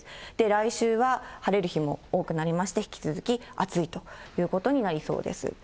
来週は晴れる日も多くなりまして、引き続き暑いということになりそうです。